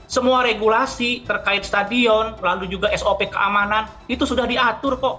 semua regulasi terkait stadion lalu juga sop keamanan itu sudah diatur kok